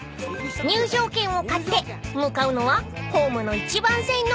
［入場券を買って向かうのはホームの１番線乗り場］